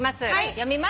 読みます。